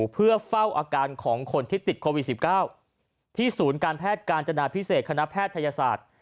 เพื่อเฝ้าอาการของคนที่ติดโควิด๑๙ที่ศูนย์การแพทย์การจนาพิเศษคณะแพทยศาสตร์